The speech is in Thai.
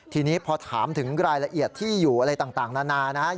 ทีนี้พอถามถึงรายละเอียดที่อยู่อะไรต่างนานานะครับ